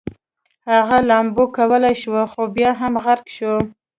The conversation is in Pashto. هغه لامبو کولی شوه خو بیا هم غرق شو